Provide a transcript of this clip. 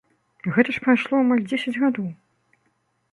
Гэта ж прайшло амаль дзесяць гадоў.